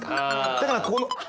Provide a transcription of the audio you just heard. だからここのあっ。